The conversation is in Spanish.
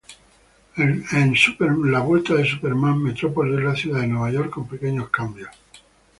En "Superman Returns", Metropolis es la ciudad de Nueva York con pequeños cambios.